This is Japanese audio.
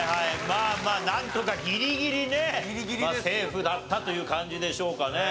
まあまあなんとかギリギリねセーフだったという感じでしょうかね。